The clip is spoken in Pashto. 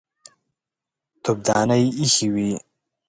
تفدانۍ ايښې وې.